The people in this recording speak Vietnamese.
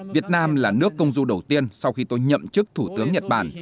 việt nam là nước công du đầu tiên sau khi tôi nhậm chức thủ tướng nhật bản